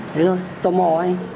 thế thôi tò mò anh